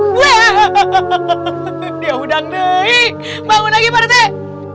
waaah dia udang deh bangun lagi pada deh